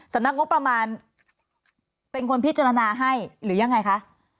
สำนักงบประมาณเป็นคนพิจารณาให้หรือยังไงคะ